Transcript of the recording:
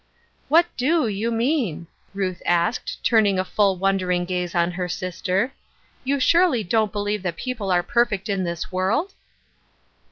"What do you mean?" Ruth asked, turning a full, wondering gaze on her sister. " You surely don't believe that people are perfect in this world